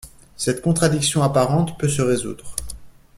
Cette contradiction apparente peut se résoudre.